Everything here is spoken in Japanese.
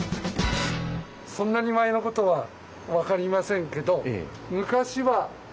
そんなに前のことは分かりませんけど昔は今のバス停の。